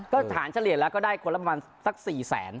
ก็ฐานเฉลี่ยแล้วก็ได้คนละประมาณสัก๔แสน